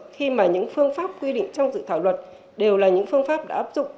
khi mà những phương pháp quy định trong dự thảo luật đều là những phương pháp đã áp dụng